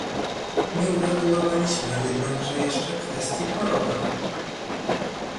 Nie uregulowaliśmy jednakże jeszcze kwestii polowań